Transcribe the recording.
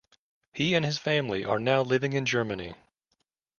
He and his family are now living in Germany.